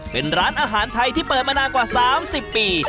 เป็นร้านอาหารไทยที่เปิดมานานกว่า๓๐ปี